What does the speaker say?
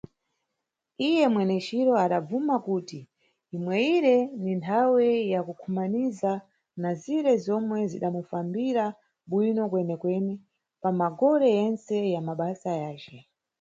Iye mweneciro adabvuma kuti imweyire ni nthawe ya kukhumaniza na zire zomwe zidamufambira bwino kwenekwene pa magole yentse ya mabasa yace.